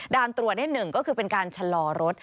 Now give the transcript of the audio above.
ตรวจนิดหนึ่งก็คือเป็นการชะลอรถ